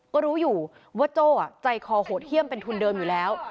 ก็รู้อยู่ว่าโจ้ใจคอโหดเยี่ยมเป็นทุนเดิมอยู่แล้ว